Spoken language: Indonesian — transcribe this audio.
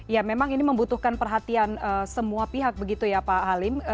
ya memang ini membutuhkan perhatian semua pihak begitu ya pak halim